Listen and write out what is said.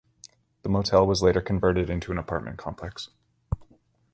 The motel was later converted into an apartment complex.